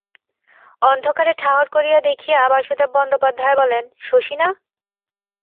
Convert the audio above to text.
অন্ধকারে ঠাহর করিয়া দেখিয়া বাসুদেব বন্দ্যোপাধ্যায় বলেন, শশী না?